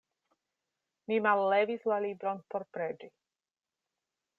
Mi mallevis la libron por preĝi.